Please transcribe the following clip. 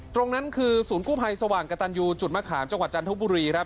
ตรงนั้นคือศูนย์กู้ภัยสว่างกระตันยูจุดมะขามจังหวัดจันทบุรีครับ